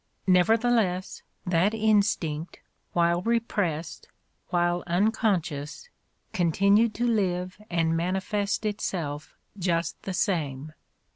Nevertheless, that instinct, while repressed, while unconscious, continued to live and manifest itself just the same.